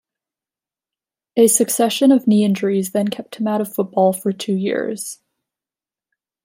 A succession of knee injuries then kept him out of football for two years.